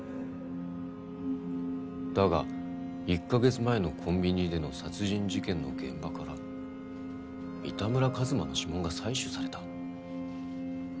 「だが１カ月前のコンビニでの殺人事件の現場から三田村一馬の指紋が採取された」